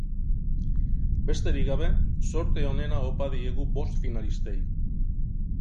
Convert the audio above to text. Besterik gabe, zorte onena opa diegu bost finalistei!